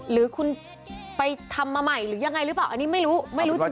หรือคุณไปทำมาใหม่หรือยังไงหรือเปล่าอันนี้ไม่รู้ไม่รู้จริง